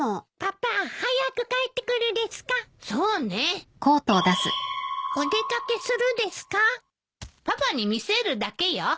パパに見せるだけよ。